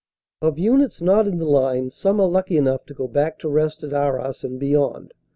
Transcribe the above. Of units not in the line, some are lucky enough to go back to rest at Arras and beyond.